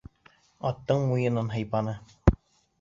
Аттың муйынын һыйпаны.